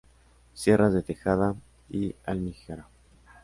Sierras de Tejeda y Almijara.